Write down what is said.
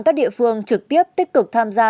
các địa phương trực tiếp tích cực tham gia